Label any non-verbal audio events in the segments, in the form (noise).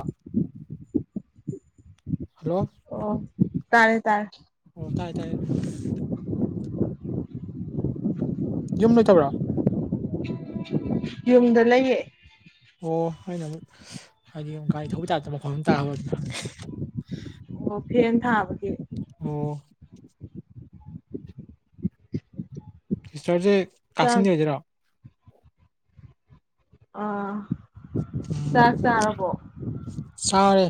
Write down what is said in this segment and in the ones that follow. ꯑ ꯍꯜꯂꯣ ꯑꯣ ꯇꯥꯔꯦ ꯇꯥꯔ ꯑꯣ ꯇꯥꯏ ꯇꯥꯏ ꯌꯨꯝ ꯂꯩꯣꯏꯇꯕ꯭ꯔꯥ ꯌꯨꯝꯗ ꯂꯩꯌꯦ ꯑꯣ ꯑꯩꯅ ꯑꯃꯨꯛ ꯍꯥꯏꯗꯤ ꯑꯃꯨ ꯒꯥꯔꯤ ꯊꯧꯕ ꯇꯥꯛꯇ ꯃꯐꯝ ꯇꯥꯕ ꯑꯗꯨ ꯍꯪꯉꯦ ꯑꯣ ꯐꯦꯅ ꯊꯥꯕꯒꯦ ꯑꯣ ꯈ꯭ꯔꯤꯁꯇꯣꯔꯁꯦ ꯆꯥꯛ ꯀꯛꯆꯤꯡꯒꯤ ꯑꯣꯏꯗꯣꯏꯔꯣ ꯑ ꯎꯝ ꯆꯥ ꯆꯥꯅꯄꯣ ꯆꯥꯔꯦ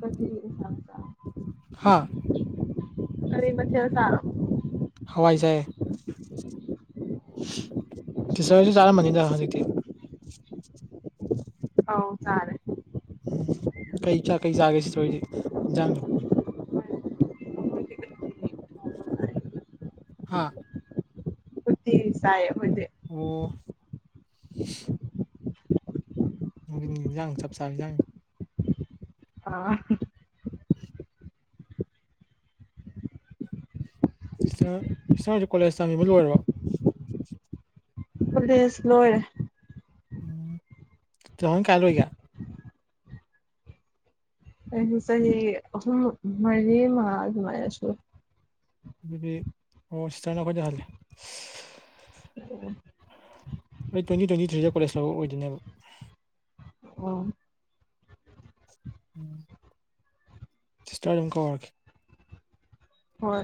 ꯀꯆꯔꯤ ꯁꯥꯡꯁ ꯍꯥꯥ ꯑ ꯃ ꯆꯦꯜ ꯁꯥ ꯍꯋꯥꯏꯁꯦ ꯇꯁꯁꯨ ꯆꯥꯔ ꯃꯅꯤꯗ ꯑ ꯇꯦ ꯑꯥꯎ ꯇꯥꯔꯦ ꯎꯝ ꯀꯩ ꯆꯥꯛ ꯀꯩ ꯆꯥꯒꯦꯁꯤꯗꯣ ꯍꯧꯖꯤꯛ ꯏꯟꯖꯥꯡꯗꯣ ꯍꯥ ꯁꯥꯏ ꯑꯣ ꯖꯪ ꯆꯞ ꯆꯥꯕꯤ ꯌꯥꯪ ꯑꯥ ꯏꯁ ꯏꯁꯔꯁꯨ ꯀꯣꯂꯦꯖ ꯇꯝꯃꯤꯕ ꯂꯣꯏꯔꯕ ꯄꯨꯂꯤꯁ ꯂꯣꯏꯦ ꯎꯝ ꯇꯍꯪ ꯀꯥꯏ ꯑꯣꯏꯒ ꯑꯩ ꯃꯔꯤ ꯃꯥ ꯑꯗꯨ ꯃꯁꯨ ꯑꯗꯨꯗꯤ ꯑꯣ ꯁꯤꯇꯅꯈꯣꯠꯖꯍꯜꯂꯦ ꯑꯩ ꯇ꯭ꯋꯦꯟꯇꯤ ꯇ꯭ꯋꯦꯟꯇꯤ ꯊ꯭ꯔꯤꯁꯤ ꯀꯣꯂꯦꯖ ꯂꯧꯕ ꯑꯣꯏꯗꯣꯏꯅꯦꯕ ꯑꯣ ꯎꯝ ꯁꯤꯁꯇꯔ ꯑꯗꯨꯝ ꯀꯔꯦ ꯍꯣꯏ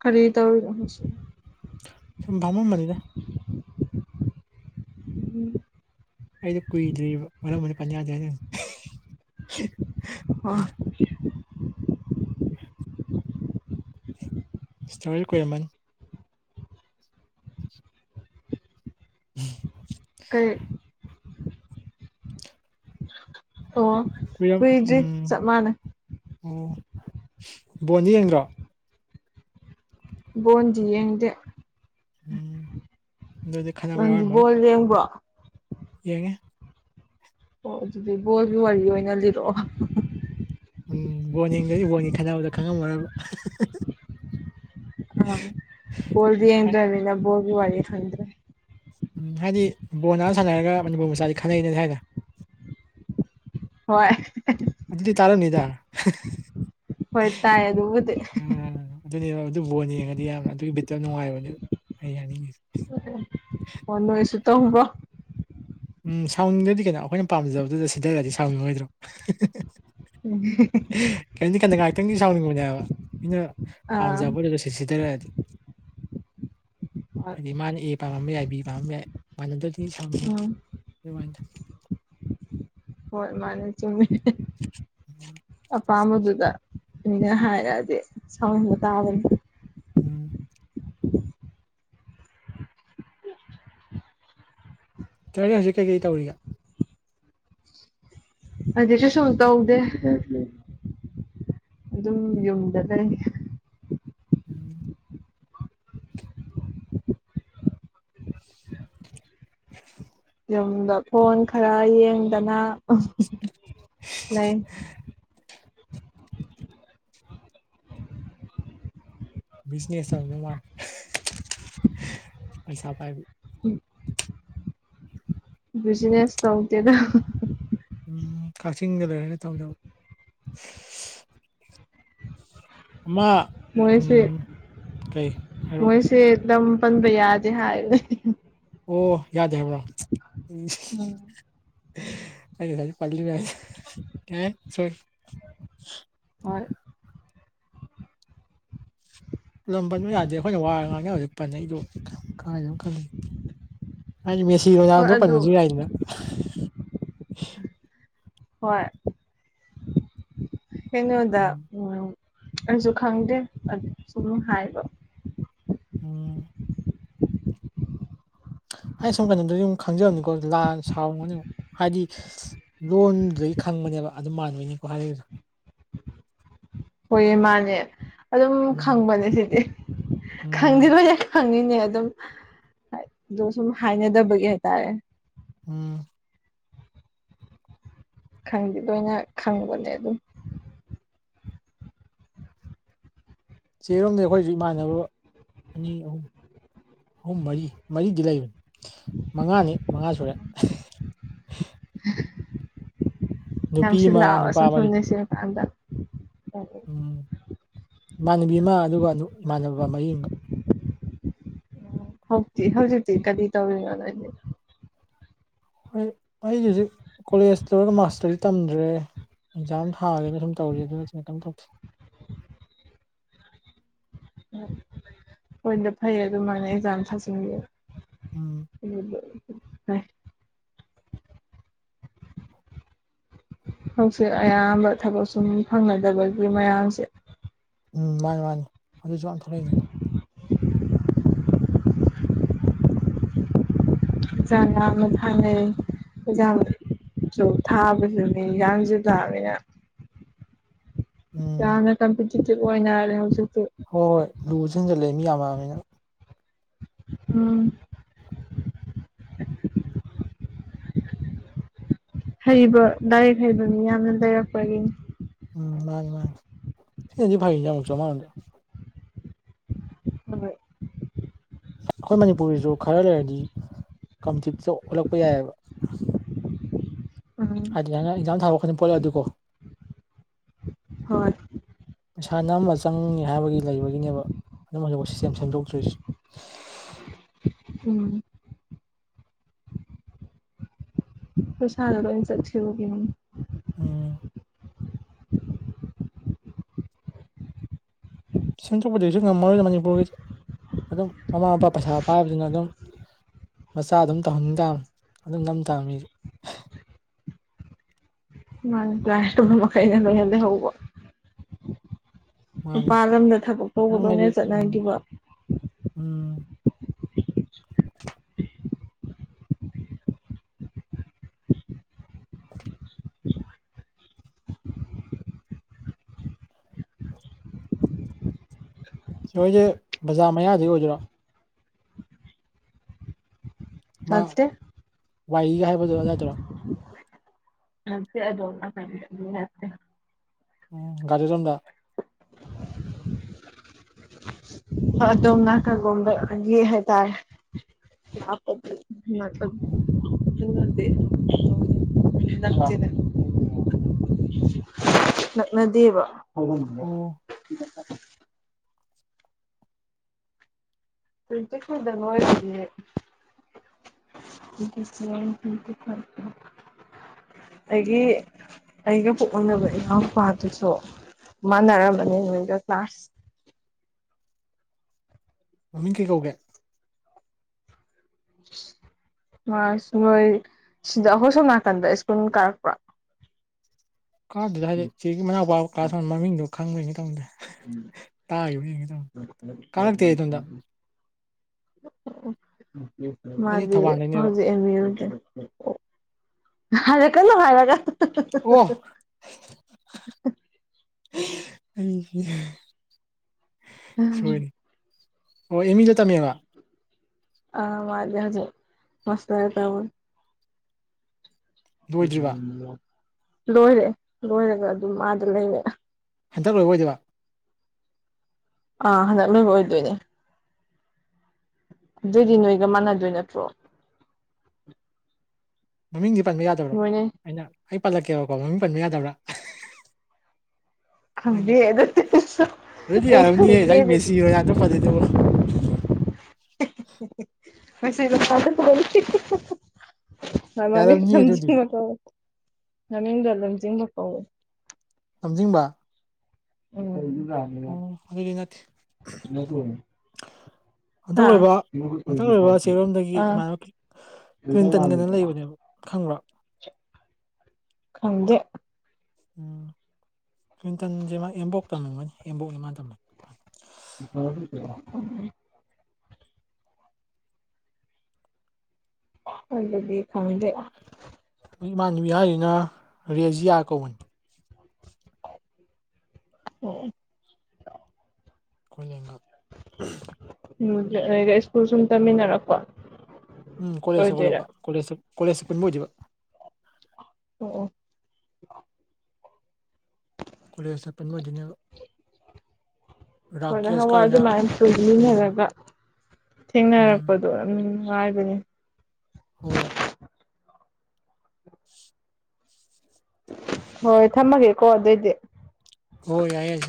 ꯈꯔꯤ ꯇꯧꯁꯤ ꯁꯚꯝꯣ ꯃꯔꯤꯗ ꯎꯝ ꯑꯩꯗ ꯀꯨꯏꯗ꯭ꯔꯤ ꯃꯔꯔ ꯃꯅꯤ ꯄꯅꯗꯦ ꯑꯗꯨ ꯑ ꯏꯁꯇꯔꯤꯦꯜ ꯀꯟ ꯎꯝ ꯀ ꯑꯣ ꯍ ꯀꯨꯏꯗ꯭ꯔꯤ ꯎꯝ ꯆꯞ ꯃꯥꯟꯅꯩ ꯑꯣ ꯕꯣꯟꯗꯤ ꯌꯦꯡꯒ꯭ꯔꯣ ꯕꯣꯟꯗꯤ ꯌꯦꯡꯗꯦ ꯎꯝ ꯑꯗꯨꯗꯤ ꯅꯪꯗꯤ ꯌꯦꯡꯕ꯭ꯔꯣ ꯌꯦꯉ ꯑꯣ ꯑꯗꯨꯗꯤ ꯕꯣꯜꯒꯤ ꯋꯥꯔꯤ ꯑꯣꯏꯅ ꯂꯤꯔꯛꯑꯣ ꯎꯝ ꯕꯣꯜ ꯌꯦꯡꯗꯗꯤ ꯕꯣꯜꯒꯤ ꯈꯟꯅꯅꯕꯗ ꯈꯪꯉꯝꯃꯔꯕ ꯍꯜꯗꯤ ꯌꯦꯟ꯭ꯔ ꯂꯩ ꯅ ꯍꯣꯒꯤ ꯋꯥꯅꯤ ꯊꯗ꯭ꯔꯦ ꯎꯝ ꯍꯥꯏꯗꯤ ꯕꯣ ꯅꯥ ꯁꯥꯟꯅꯔꯒ ꯃꯅꯤꯄꯨꯔ ꯃꯆꯥꯁꯤ ꯈꯟꯅꯩꯅꯦ ꯍꯥꯏꯅ ꯍꯣꯏ ꯑꯗꯨꯗꯤ ꯇꯥꯔꯅꯤꯗ ꯍꯣꯏ ꯇꯥꯏ ꯑꯗꯨ ꯎꯗ ꯎꯝ ꯑꯗꯨꯅꯦꯕ ꯑꯗꯨ ꯕꯣꯜ ꯌꯦꯡꯉꯗꯤ ꯌꯥꯝꯅ ꯑꯗꯨꯒꯤ ꯕꯤꯠꯇ ꯅꯨꯡꯉꯥꯏꯕ ꯑꯗꯨ ꯑꯩ ꯌꯥꯅꯤꯡꯉꯤꯁ ꯑꯣ ꯅꯣꯏꯁꯨ ꯇꯕ ꯎꯝ ꯁꯥꯎꯅꯤꯡꯗꯗꯤ ꯀꯩꯅꯣ ꯑꯩꯈꯣꯏꯅ ꯄꯥꯝꯖꯕꯗꯨꯗ ꯁꯤꯗꯔꯗꯤ ꯁꯥꯎꯅꯤꯡꯉꯣꯏꯗ꯭ꯔꯣ ꯀꯔꯤꯣ ꯀꯟꯗ ꯉꯥꯏꯇꯪꯒꯤ ꯁꯥꯎꯅꯤꯡꯅꯦꯕ ꯃꯤꯅ ꯑꯥ ꯄꯥꯝꯖꯕꯣꯠꯗꯣ ꯁꯤ ꯁꯤꯗꯔꯗꯤ ꯍꯣꯏ ꯍꯥꯏꯗꯤ ꯃꯥꯅ ꯑꯦ ꯄꯥꯝꯃꯝꯕ ꯌꯥꯏ ꯕꯤ ꯄꯥꯝꯃꯝꯕ ꯌꯥꯏ ꯃꯥꯅ ꯎꯝ (unintelligible) ꯍꯣꯏ ꯃꯥꯅꯦ ꯆꯨꯝꯃꯦ ꯑꯄꯥꯝꯕ ꯑꯗꯨꯗ ꯎꯅꯦ ꯍꯥꯏꯔꯛꯑꯗꯤꯦ ꯁꯥꯎꯅ ꯇꯥꯕꯅꯤ꯫ ꯎꯝ꯫ ꯇꯔꯅꯤ ꯍꯧꯖꯤꯛ ꯀꯩꯀꯩ ꯇꯧꯔꯤꯒꯦ꯫ ꯑꯗꯨ ꯀꯩꯁꯨꯝ ꯇꯧꯗꯦ ꯑꯗꯨꯝ ꯌꯨꯝꯗ ꯀꯔꯤ ꯎꯝ꯫ (unintelligible) ꯌꯨꯝꯗ ꯐꯣꯟ ꯈꯔ ꯌꯦꯡꯗꯅ ꯂꯩ꯫ ꯕꯤꯖꯤꯅꯦꯁ ꯅ ꯃꯥ ꯄꯩꯁꯥ ꯄꯥꯏꯕꯤ꯫ ꯕꯤꯖꯤꯅꯦꯁ ꯇꯧꯗꯦꯗ꯫ ꯎꯝ ꯀꯛꯆꯤꯡꯗ ꯂꯣꯏꯔꯦꯅ ꯊꯧꯖꯕ꯫ ꯃꯍꯦꯁ ꯎꯝ ꯀꯩ ꯍꯥꯏꯔꯛꯑꯣ ꯃꯍꯦꯁ ꯑꯦꯗꯝ ꯄꯟꯕ ꯌꯥꯗꯦ ꯍꯥꯏ꯫ ꯑꯣ ꯌꯥꯗꯦ ꯍꯥꯏꯕ꯭ꯔꯣ ꯎꯝ ꯎꯝ ꯑꯩꯅ ꯄꯜꯂꯤ ꯃꯌꯥꯝꯁ ꯀꯦ ꯁꯣꯔꯤ꯫ ꯍꯣꯏ ꯂꯝ ꯄꯟꯕ ꯌꯥꯗꯦ ꯑꯩꯈꯣꯏꯅ ꯋꯥꯔ ꯉꯥꯡꯅꯕꯁꯤ ꯄꯟꯅꯩꯗꫭ ꯀꯥꯏꯗꯅ ꯈꯜꯂꯤ꯫ ꯍꯥꯏꯗꯤ ꯃꯦꯁꯤ ꯍꯣꯏ ꯔꫭꯅꯥꯜꯗꫭꯗꯣ ꯑꯗꯨ ꯄꯟꯕꯁꯨ ꯌꯥꯏꯗꯅ꯫ ꯍꯣꯏ꯫ ꯀꯩꯅꯣꯗ ꯎꯝ ꯑꯩꯁꯨ ꯈꯪꯗꯦ ꯑꯁꯨꯝ ꯍꯥꯏꯕ꯫ ꯎꯝ ꯑꯩ ꯁꯨꯝ ꯀꯩꯅꯣꯗꯗꯤ ꯈꯪꯖꯕꯅꯤꯀꯣ ꯂꯥꯟ ꯁꯥꯎꯔꯒꯅꯤ ꯍꯥꯏꯗꯤ ꯂꯣꯟꯗꯨꯗꯒꯤ ꯈꯪ ꯕꯅꯦꯕ ꯑꯗꯨ ꯃꯥꯟꯕꯩꯅꯤꯀꯣ ꯍꯥꯏꯔꯛꯏꯗꫭ꯫ ꯍꫭꯏꯌꯦ ꯃꯥꯅꯦ ꯑꯗꯨꯝ ꯎꯝ ꯈꯪꯕꯅꯦ ꯁꯤꯗꯤ꯫ ꯎꯝ (unintelligible) ꯅꯦ ꯑꯗꯨꯝ ꯗꫭ ꯁꯨꯝ ꯍꯥꯏꯅꯗꯕꯒꯤ ꯍꯥꯏꯇꯥꯔꯦ꯫ ꯎꯝ꯫ ꯈꯪꯗꯦꯗꯣ ꯑꯩꯅ ꯈꯪꯉꯨꯕꯅꯦ ꯑꯗꯨꯝ꯫ ꯆꯦꯔꯣꯝꯗ ꯑꯈꯣꯏꯁꯨ ꯏꯃꯥꯟꯅꯕ ꯑꯅꯤ ꯑꯍꯨꯝ ꯑꯍꯨꯝ ꯃꯔꯤ ꯃꯔꯤꯗꯤ ꯂꯩꯕꯅꯤ ꯃꯉꯥꯅꯤ ꯃꯉꯥ ꯁꯨꯔꯦ꯫ ꯅꯨꯄꯤ ꯑꯃ ꯅꯨꯄꯥ ꯃꯔꯤ (inaudible) ꯎꯝ ꯏꯃꯥꯟꯅꯕꯤ ꯑꯃ ꯑꯗꯨꯒ ꯅꯨꯞ ꯏꯃꯥꯟꯅꯕ ꯃꯔꯤꯃꯒ꯫ ꯍꯥꯎꯇꯦ ꯍꯧꯖꯤꯛꯇꯤ ꯀꯔꯤ ꯇꯧꯔꯤꯅꫭ ꯅꫭꯏꯅꯤ꯫ ꯍꯣꯏ ꯑꯩꯒꯤ ꯍꯧꯖꯤꯛ ꯀꯣꯂꯦꯖ ꯇꯧꯔꯒ ꯃꯥꯁꯇꯔꯤ ꯇꯝꯗ꯭ꯔꯦ꯫ ꯑꯦꯟꯖꯥꯝ ꯊꯥꯒꯦꯅ ꯁꯨꯝ ꯇꯧꯔꯤ ꯑꯗꯨ ꯅꯠꯇꯕ ꯀꯩꯝ ꯇꯧꯗꯦ꯫ ꯎꯝ ꯍꯣꯏꯅ ꯐꯩꯌꯦ ꯑꯗꯨꯃꯥꯏꯅ ꯑꯦꯛꯖꯥꯝ ꯊꯖꯤꯟꯕꯤ꯫ ꯎꯝ (inaudible) ꯍꯧꯖꯤꯛ ꯑꯌꯥꯝꯕ ꯊꯕꯛ ꯁꯨꯝ ꯐꯪꯅꯗꯕꯒꯤ ꯃꯌꯥꯝꯁꯦ ꯎꯝ ꯃꯥꯅꯤ-ꯃꯥꯅꯤ ꯑꯗꯨꯁꯨ ꯌꯥꯝ ꯊꯣꯛꯂꯛꯏꯅꯤ꯫ (unintelligible) (unintelligible) ꯎꯝ ꯌꯥꯝꯅ ꯀꯝꯄꯤꯇꯤꯇꯚ ꯑꯣꯏꯅꯔꯦ ꯍꯧꯖꯤꯛ꯫ ꯍꯣꯏ-ꯍꯣꯏ ꯂꯨꯁꯨ ꯍꯦꯟꯖꯜꯂꯦ ꯃꯤ ꯌꯥꯝꯃꯝꯅꯤꯅ꯫ ꯎꯝ꯫ ꯍꯩꯕ ꯂꯥꯏꯔꯤꯛ ꯍꯩꯕ ꯃꯤ ꯌꯥꯝꯅ ꯂꯩꯔꯛꯄꯒꯤꯅꯤ꯫ ꯎꯝ ꯃꯥꯅꯦ ꯃꯥꯅꯤ ꯍꯦꯅꯗꯤ ꯐꯅꯤꯗ ꯑꯃꯨꯛ ꯆꯃꯥꯡꯗ꯫ ꯍꯣꯏ꯫ ꯑꯩꯈꯣꯏ ꯃꯅꯤꯄꯨꯔꯒꯤꯁꯨ ꯈꯔ ꯂꯩꯔꯗꯤ ꯀꯝꯇꯤꯞꯇ ꯑꯣꯜꯂꯛꯄ ꯌꯥꯏꯑꯦꯕ꯫ ꯎꯝ ꯍꯥꯏꯗꯤ ꯅꯅ ꯑꯦꯛꯖꯥꯝ ꯊꯥꯔꯛ ꯈꯨꯗꯤꯡ ꯄꯣꯠꯂꯦ ꯑꯗꯨꯀꯣ꯫ ꯍꯣꯏ꯫ ꯄꯩꯁꯥ ꯅꯝꯕ ꯆꯪꯉꯦ ꯍꯥꯏꯕꯒꯤ ꯂꯩꯕꯒꯤꯅꯦꯕ ꯑꯗꯨꯝꯅ ꯁꯤꯁꯇꯦꯝ ꯁꯦꯝꯗꯣꯛꯇ꯭ꯔꯤꯁꯤ꯫ (inaudible) ꯎꯝ꯫ (inaudible) ꯎꯝ ꯁꯦꯝꯦꯡꯗꯣꯛꯄꯗꯒꯤꯁꯨ ꯉꯝꯃꯣꯏ ꯑꯣꯏꯅ ꯃꯅꯤꯄꯨꯔꯒꯤ ꯑꯗꯨꯝ ꯃꯃꯥ ꯃꯄꯥ ꯄꯩꯁꯥ ꯄꯥꯏꯕꯕꯁꯤꯅ ꯑꯗꯨꯝ ꯃꯆꯥ ꯑꯗꯨꯝ ꯇꯧꯍꯟ ꯇꯥ ꯑꯗꯨꯝ ꯅꯝ ꯇ ꯃꯤꯁꯨ ꯃꯥꯣ ꯅ ꯃ ꯀꯩꯗ ꯅꯣꯏꯗꯦ ꯍꯕ ꯃꯥꯅꯤ ꯅꯨꯄꯥꯜ ꯂꯝꯗ ꯊꯕꯛ ꯇꯧꯕ ꯑꯗꯨꯝ ꯍꯥꯏꯗꯤ ꯂꯣꯏꯅ ꯎꯝ ꯆꯠꯅꯈꯤꯕ ꯎꯝ (inaudible) ꯁꯣꯏꯁꯦ ꯕꯖꯥꯔ ꯃꯌꯥꯗꯤ ꯑꯣꯏꯗꯔꯣ ꯂꯛꯇꯦ ꯋꯥꯏꯒ ꯍꯥꯏꯕꯗꯨꯣ ꯑꯗꯨꯋꯥꯏꯗꯨꯔ (unintelligible) ꯑꯗꯣ ꯎꯝ ꯒꯥꯔꯤ ꯆꯟꯗ ꯍ ꯗꯣꯝꯅꯥꯀꯒꯣꯗ ꯌꯦ ꯍꯦ ꯇꯔꯦ (inaudible) (unintelligible) (unintelligible) (unintelligible) (unintelligible) ꯎꯝ ꯅꯛꯅꯗꯦꯕ ꯑꯣ ꯊ ꯐꯔ ꯇꯗꯣꯏꯦ ꯁꯛꯇ ꯊꯀꯦ ꯑꯩꯒꯤ ꯑꯩꯒ ꯄꯨꯣꯛꯃꯤꯅꯕ ꯏꯃꯎ ꯏꯄꯥꯗꯨꯁꯨ ꯃꯥꯅꯔꯝꯕꯅꯤꯣ ꯀ꯭ꯂꯥꯁ (inaudible) ꯃꯃꯤꯡ ꯀꯩ ꯀꯧꯒꯦ (inaudible) ꯑꯁ ꯅꯣꯏ ꯁꯤꯗ ꯑꯍꯣꯏ ꯁꯣꯝ ꯅꯥꯀꯟꯗ ꯁ꯭ꯀꯨꯜ ꯀꯥꯔꯛꯄ꯭ꯔ ꯀꯥꯔꯨꯗ ꯍꯥꯏꯗꯤ ꯆꯦꯒꯤ ꯃꯅꯥꯎꯄꯥ ꯀ ꯀ꯭ꯂꯥꯁ ꯃꯡꯣ ꯈꯪꯕꯅꯤ ꯇꯥꯕ ꯌꯦ ꯀꯥꯥꯟꯛꯇ ꯇꯗ ꯑꯩꯗꯤ ꯃꯥꯗꯤ ꯊꯧꯕꯥꯜꯗꯩꯅꯦꯕ ꯍꯧꯖꯤꯛ ꯑꯦꯝ ꯌꯨ ꯑꯣ ꯍꯥꯏꯔ ꯀꯩꯅꯣ ꯍꯥꯏꯔꯔꯒ (inaudible) ꯑꯣ ꯑꯝ ꯎꯝ ꯑꯣ ꯏꯃꯤ ꯂꯩ ꯇꯝꯃꯦꯕ ꯑ ꯃꯖ ꯍꯧꯁꯦ ꯃꯁ ꯍꯥꯏ ꯇꯕꯨ ꯂꯣꯏꯗ꯭ꯔꯤꯕ ꯂꯣꯏꯔꯦ ꯂꯣꯏꯔꯒ ꯑꯗꯨꯝ ꯃꯥꯗ ꯂꯩꯔ ꯍꯟꯇꯛ ꯂꯣꯏꯕ ꯑꯣꯏꯗꯕ ꯑꯥ ꯍꯟꯗꯛꯅꯦꯕꯨ ꯑꯣꯏꯗꯣꯏꯅꯦ ꯑꯗꯨꯏꯗꯤ ꯅꯣꯏꯒ ꯃꯥꯟꯅꯗꯣꯏ ꯅꯠꯇ꯭ꯔꯣ ꯃꯃꯤꯡꯗꯤ ꯄꯟꯕ ꯌꯥꯗꯕ꯭ꯔꯣ ꯅꯣꯏꯅ ꯑꯩꯅ ꯑꯩ ꯄꯜꯂꯛꯀꯦꯕꯀꯣ ꯃꯃꯤꯡ ꯄꯟꯕ ꯌꯥꯗꯕ꯭ꯔꯥ ꯈꯪꯗꯦ ꯑꯗꯨꯗꯤ ꯑꯩꯁꯨ ꯑꯗꯨꯗꯤ ꯑꯩ ꯌꯥꯔꯝꯅꯤꯌꯦ ꯈꯪꯗꯦ ꯂ ꯑꯗꯨꯗꯤ ꯃꯦꯁꯤꯔꯣ ꯌꯥꯗ ꯐꯗꯦ ꯑꯗꯨꯕꯨꯣ (inaudible) ꯃꯁꯃ ꯅꯝꯖ ꯅꯗ ꯌꯥꯔꯝꯅꯤꯌꯦ ꯑꯗꯨꯗꯤ ꯑꯗꯨꯝ ꯆ ꯂ ꯀ ꯂꯝꯖꯤꯡꯕ ꯑꯣ ꯑꯣ ꯍꯕꯤꯕꯤꯅꯥ ꯍꯟꯇꯛ ꯍꯥ ꯑꯣꯏꯕ ꯍꯟꯇꯛ ꯂꯕ ꯆꯦꯔꯣꯝꯗꯒꯤ ꯑꯥ ꯏꯃꯥꯟꯅꯕ ꯀ꯭ꯂꯤꯟꯇꯟꯒꯅ ꯂꯩꯕꯅꯦꯕ ꯈꯪꯕ꯭ꯔꯥ ꯈꯪꯗꯦ ꯎꯝ꯭ꯋꯇꯟꯁꯦ ꯑꯦꯝꯕꯣꯛ ꯇꯝꯅꯤꯡꯕꯅꯤ ꯑꯦꯝꯕꯣꯛꯁ ꯃꯥ ꯇꯝ ꯐ ꯑꯗꯨꯗꯒꯤ ꯈꯪꯗꯦ ꯑꯗꯨ ꯏꯃꯥꯟꯅꯕꯤ ꯍꯥꯏꯔꯤꯅ ꯔꯦꯖꯤꯌꯥ ꯀꯧꯕꯅꯤ ꯑꯣꯝ ꯀꯣꯏꯂꯒ ꯁ꯭ꯀꯨꯜ ꯁꯨꯝ ꯇꯝꯃꯤꯟꯅꯔꯛꯄꯣ ꯎꯝ ꯀꯂꯦꯖ ꯁꯒ ꯂꯄ ꯀꯦꯖ ꯀꯂꯦꯖ ꯁ ꯄꯨꯟꯕꯖꯕ ꯑꯣ ꯑꯣ ꯀꯂꯁꯄꯟꯕꯖꯅꯤꯒ ꯍꯣꯏꯅ ꯍꯋꯥꯏꯗꯨ ꯃꯌꯥꯝ ꯎꯝ ꯁꯣꯏꯃꯤꯟꯅꯔꯒ ꯎꯝ ꯊꯦꯡꯅꯔꯛꯄꯗꯣ ꯑꯗꯨꯝ ꯍꯥꯏꯗꯅꯦ ꯍꯣꯏ (unintelligible) ꯍꯣꯏ ꯊꯝꯃꯒꯦꯀꯣ ꯑꯗꯨꯑꯣꯏꯗꯤ ꯍ ꯌꯥꯏ